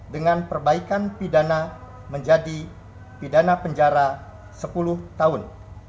dengan perbaikan pidana menjadi pidana penjara sepuluh tahun